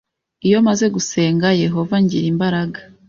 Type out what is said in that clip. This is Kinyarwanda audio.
Iyo maze gusenga Yehova ngira imbaraga